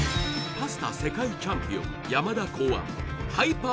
パスタ世界チャンピオン山田考案